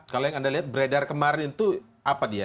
kalau yang anda lihat beredar kemarin itu apa dia